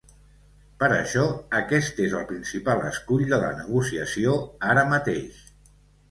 Per això aquest és el principal escull de la negociació, ara mateix.